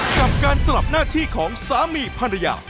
กับการสลับหน้าที่ของสามีภรรยา